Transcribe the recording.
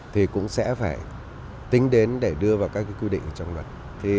thì cũng sẽ phải tính đến để đưa vào các quy định trong luật